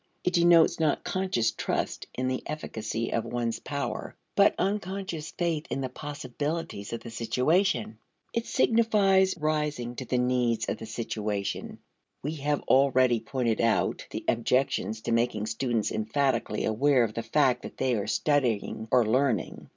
It denotes not conscious trust in the efficacy of one's powers but unconscious faith in the possibilities of the situation. It signifies rising to the needs of the situation. We have already pointed out (See p. 169) the objections to making students emphatically aware of the fact that they are studying or learning.